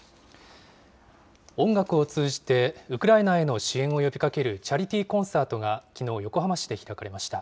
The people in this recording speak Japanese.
音楽を通じてウクライナへの支援を呼びかけるチャリティーコンサートがきのう、横浜市で開かれました。